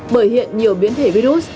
bởi hiện nhiều biến thể virus